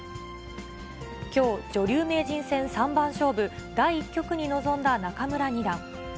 きょう、女流名人戦三番勝負第１局に臨んだ中邑二弾。